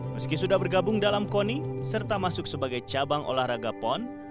meski sudah bergabung dalam koni serta masuk sebagai cabang olahraga pon